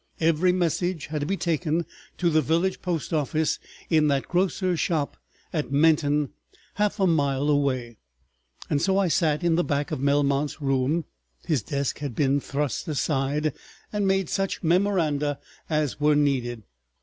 Every message had to be taken to the village post office in that grocer's shop at Menton, half a mile away. ... So I sat in the back of Melmount's room, his desk had been thrust aside, and made such memoranda as were needed.